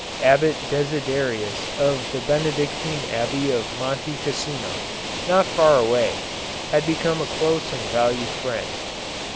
Abbot Desiderius of the Benedictine Abbey of Monte Cassino, not far away, had become a close and valued friend.